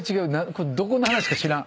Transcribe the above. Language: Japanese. これどこの話か知らん。